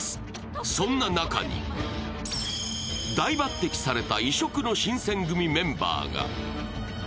そんな中に、大抜擢された異色の新選組メンバーが。